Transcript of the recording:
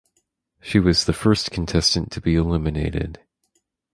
She was the first contestant to be eliminated.